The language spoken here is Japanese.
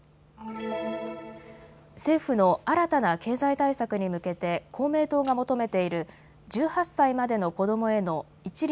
政府の新たな経済対策に向けて公明党が求めている１８歳までの子どもへの一律